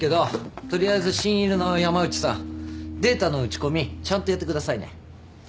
取りあえず新入りの山内さんデータの打ち込みちゃんとやってくださいね。